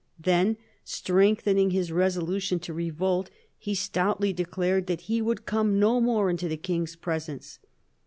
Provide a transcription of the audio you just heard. Then, strength, ening his resolution to revolt, he stoutly declared that he would come no more into the king's pres ence."